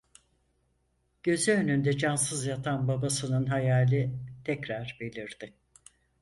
Gözü önünde cansız yatan babasının hayali tekrar belirdi.